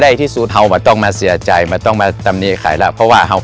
คนที่เจ้าของม้องว่า